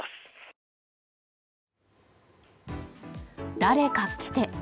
誰か来て。